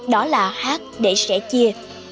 đó là hát để sẻ chia